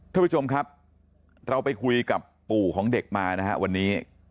ท่านผู้ชมครับเราไปคุยกับปู่ของเด็กมานะฮะวันนี้